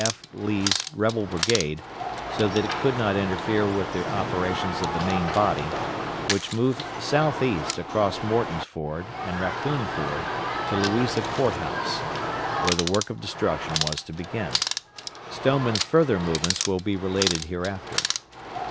F. Lee's rebel brigade, so that it could not interfere with the operations of the main body, which moved southeast across Morton's Ford and Raccoon Ford to Louisa Court House, where the work of destruction was to begin. Stoneman's further movements will be related hereafter.